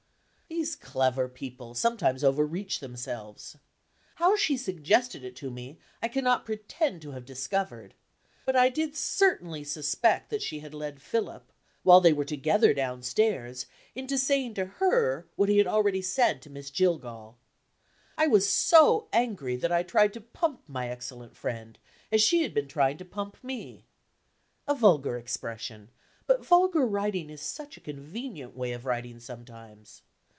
These clever people sometimes overreach themselves. How she suggested it to me, I cannot pretend to have discovered. But I did certainly suspect that she had led Philip, while they were together downstairs, into saying to her what he had already said to Miss Jillgall. I was so angry that I tried to pump my excellent friend, as she had been trying to pump me a vulgar expression, but vulgar writing is such a convenient way of writing sometimes.